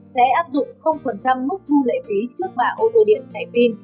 sẽ áp dụng mức thu lệ phí trước bả ô tô điện chạy pin